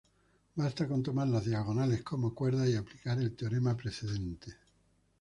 Basta con tomar las diagonales como cuerdas, y aplicar el teorema precedente.